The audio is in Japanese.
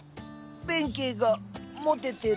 弁慶がモテてる。